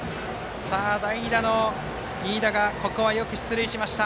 代打の飯田がここは、よく出塁しました。